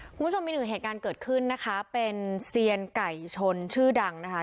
คุณผู้ชมมีหนึ่งเหตุการณ์เกิดขึ้นนะคะเป็นเซียนไก่ชนชื่อดังนะคะ